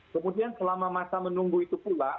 kemudian selama masa menunggu itu pula